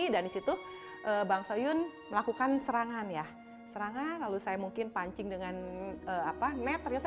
dan di situ bang soyun melakukan serangan ya serangan lalu saya mungkin pancing dengan meter ya